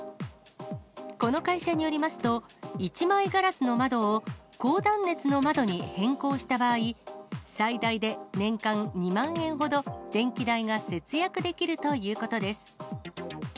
この会社によりますと、１枚ガラスの窓を、高断熱の窓に変更した場合、最大で年間２万円ほど電気代が節約できるということです。